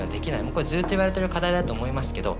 もうこれずっと言われてる課題だと思いますけど。